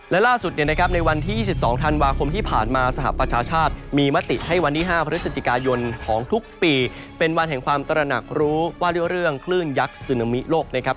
และล่าสุดเนี่ยนะครับในวันที่๒๒ธันวาคมที่ผ่านมาสหประชาชาติมีมติให้วันที่๕พฤศจิกายนของทุกปีเป็นวันแห่งความตระหนักรู้ว่าด้วยเรื่องคลื่นยักษ์ซึนามิโลกนะครับ